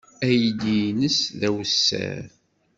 Aydi-nnes d awessar.